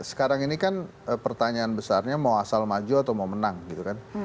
sekarang ini kan pertanyaan besarnya mau asal maju atau mau menang gitu kan